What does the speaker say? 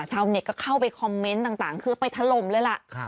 ชาวเน็ตก็เข้าไปคอมเมนต์ต่างคือไปถล่มเลยล่ะ